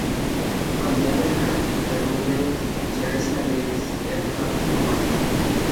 On the other hand, her roommate, Teresa Davis, did have blue eyes.